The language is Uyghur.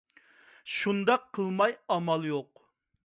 شۇنداق قىلماي ئامال يوق!